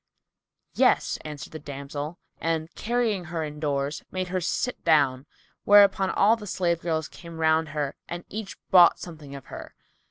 "Yes," answered the damsel and, carrying her indoors, made her sit down; whereupon all the slave girls came round her and each bought something of her.